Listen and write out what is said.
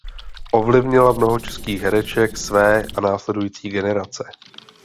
Ovlivnila mnoho českých hereček své a následující generace.